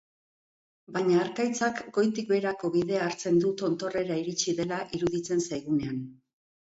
Baina harkaitzak goitik beherako bidea hartzen du tontorrera iritsi dela iruditzen zaigunean.